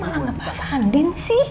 iya aku malah ngepas andin sih